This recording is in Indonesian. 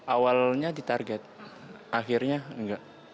awalnya ditarget akhirnya nggak